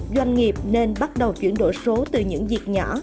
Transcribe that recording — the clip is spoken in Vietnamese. doanh nghiệp nên bắt đầu chuyển đổi số từ những việc nhỏ